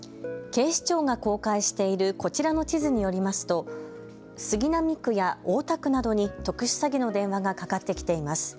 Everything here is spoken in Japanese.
警視庁が公開しているこちらの地図によりますと杉並区や大田区などに特殊詐欺の電話がかかってきています。